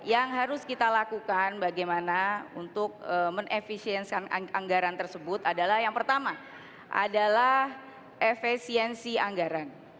yang harus kita lakukan bagaimana untuk mengefisiensi anggaran tersebut adalah yang pertama adalah efisiensi anggaran